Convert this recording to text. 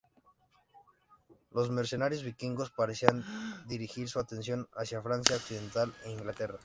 Los mercenarios vikingos parecían dirigir su atención hacia Francia Occidental e Inglaterra.